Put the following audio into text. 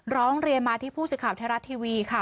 ร้องเรียนมาที่ผู้สื่อข่าวไทยรัฐทีวีค่ะ